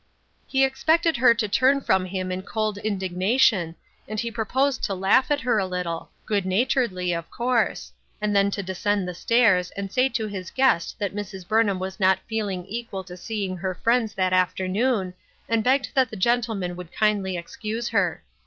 He expected her to turn from him in cold indig nation, and he proposed to laugh at her a little —■ good naturedly, of course — and then to descend the stairs and say to his guest that Mrs. Burnham was not feeling equal to seeing her friends that afternoon, and begged that the gentleman would kindly excuse her.